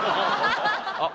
⁉あっ。